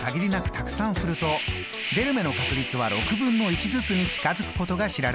たくさん振ると出る目の確率は６分の１ずつに近づくことが知られています。